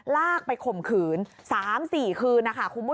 ลากไปข่มขื่น๓๔คืน